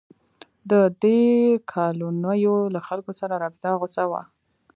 د دې کالونیو له خلکو سره رابطه غوڅه وه.